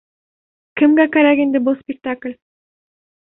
Кемгә кәрәк инде был спектакль?